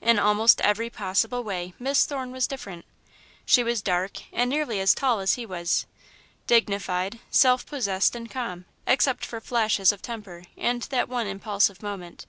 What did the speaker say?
In almost every possible way, Miss Thorne was different. She was dark, and nearly as tall as he was; dignified, self possessed, and calm, except for flashes of temper and that one impulsive moment.